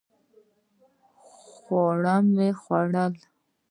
خواړه مې وخوړل